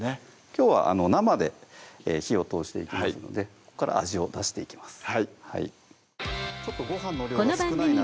きょうは生で火を通していきますのでここから味を出していきます